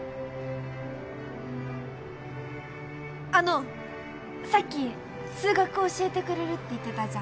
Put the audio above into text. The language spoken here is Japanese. あのさっき数学教えてくれるって言ってたじゃん。